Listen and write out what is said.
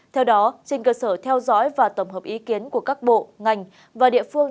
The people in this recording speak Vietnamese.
theo đó trên cơ sở theo dõi và tổng hợp ý kiến của các bộ ngành và địa phương